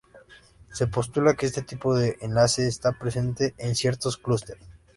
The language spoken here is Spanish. Se postula que este tipo de enlace está presente en ciertos clúster.